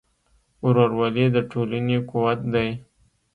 ورورولي د ټولنې قوت دی.